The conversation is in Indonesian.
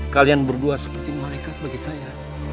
kalian berdua seperti malaikat bagi saya